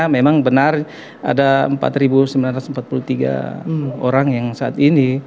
memang benar ada empat sembilan ratus empat puluh tiga orang yang saat ini